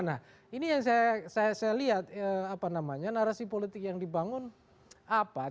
nah ini yang saya lihat narasi politik yang dibangun apa